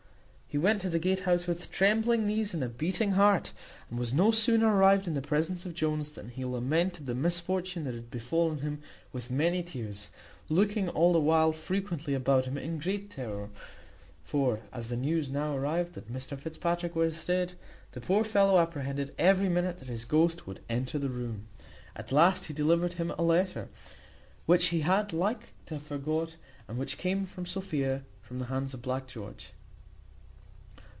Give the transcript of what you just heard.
He went to the Gatehouse with trembling knees and a beating heart, and was no sooner arrived in the presence of Jones than he lamented the misfortune that had befallen him with many tears, looking all the while frequently about him in great terror; for as the news now arrived that Mr Fitzpatrick was dead, the poor fellow apprehended every minute that his ghost would enter the room. At last he delivered him a letter, which he had like to have forgot, and which came from Sophia by the hands of Black George.